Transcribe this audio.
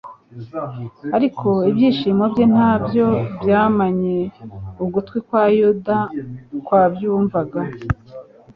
ariko ibyigisho bye ntacyo byamanye ugutwi kwa Yuda kwabyumvaga.